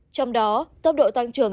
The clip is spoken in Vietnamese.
trong đó tốc độ tăng trưởng